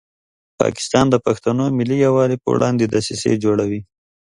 پاکستان د پښتنو ملي یووالي په وړاندې دسیسې جوړوي.